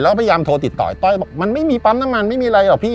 แล้วก็พยายามโทรติดต่อไอ้ต้อยบอกมันไม่มีปั๊มน้ำมันไม่มีอะไรหรอกพี่